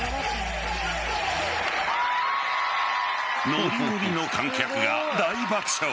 ノリノリの観客が大爆笑。